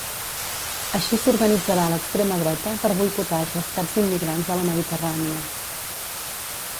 Així s'organitzarà l'extrema dreta per boicotar els rescats d'immigrants a la Mediterrània.